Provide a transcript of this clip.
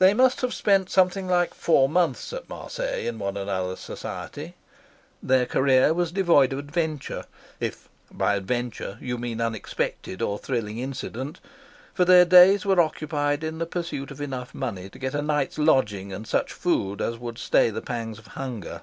They must have spent something like four months at Marseilles in one another's society. Their career was devoid of adventure, if by adventure you mean unexpected or thrilling incident, for their days were occupied in the pursuit of enough money to get a night's lodging and such food as would stay the pangs of hunger.